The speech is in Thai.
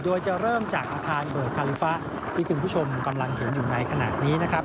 โดยจะเริ่มจากอาคารเบิกคาลิฟะที่คุณผู้ชมกำลังเห็นอยู่ในขณะนี้นะครับ